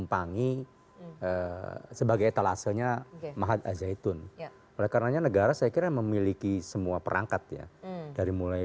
polisi cuma polisi yang bisa nyampik tangannya ama